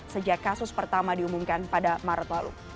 sejak kasus pertama diumumkan pada maret lalu